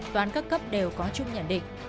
toán các cấp đều có chung nhận định